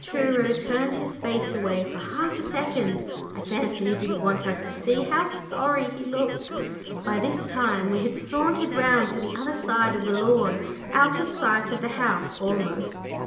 Truro turned his face away for half a second. I fancy he didn't want us to see how sorry he looked. By this time we had sauntered round to the other side of the lawn, out of sight of the house almost.